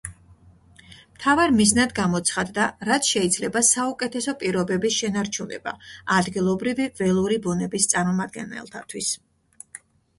მთავარ მიზნად გამოცხადდა რაც შეიძლება საუკეთესო პირობების შენარჩუნება ადგილობრივი ველური ბუნების წარმომადგენელთათვის.